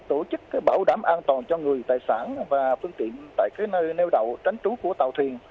tổ chức bảo đảm an toàn cho người tài sản và phương tiện tại nơi neo đậu tránh trú của tàu thuyền